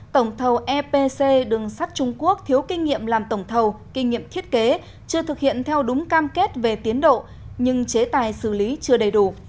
tổng thầu epc đường sắt trung quốc thiếu kinh nghiệm làm tổng thầu kinh nghiệm thiết kế chưa thực hiện theo đúng cam kết về tiến độ nhưng chế tài xử lý chưa đầy đủ